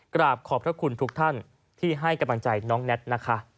กราบขอบพระคุณทุกท่านที่ให้กำลังใจน้องแน็ตนะคะ